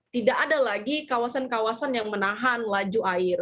tidak ada lagi kawasan kawasan yang menahan laju air